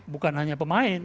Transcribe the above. bukan hanya pemain